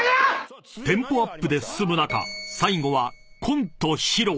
［テンポアップで進む中最後はコント披露］